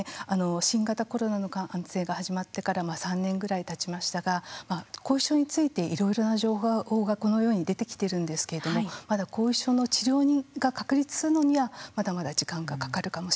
新型コロナの感染が始まってから３年ぐらいたちましたが後遺症についていろいろな情報がこのように出てきてるんですけれどもまだ後遺症の治療が確立するのにはまだまだ時間がかかるかもしれません。